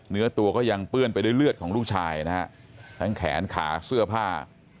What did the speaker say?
เนื้อตัวก็ยังเปื้อนไปด้วยเลือดของลูกชายนะฮะทั้งแขนขาเสื้อผ้า